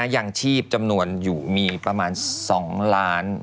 ยังชีพจำนวนอยู่มีประมาณ๒ล้าน